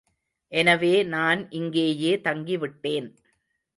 எனவே நான் இங்கேயே தங்கிவிட்டேன்.